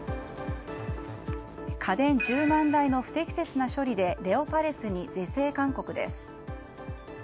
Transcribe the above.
家電１０万台の不適切な処理でレオパレスに是正勧告です。